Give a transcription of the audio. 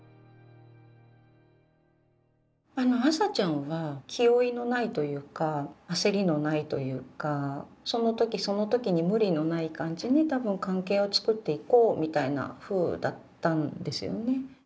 あの麻ちゃんは気負いのないというか焦りのないというかその時その時に無理のない感じに多分関係を作っていこうみたいなふうだったんですよね。